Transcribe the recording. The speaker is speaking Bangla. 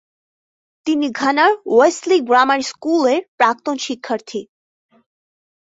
তিনি ঘানার ওয়েসলি গ্রামার স্কুলের প্রাক্তন শিক্ষার্থী।